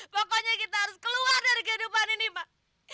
pokoknya kita harus keluar dari kehidupan ini pak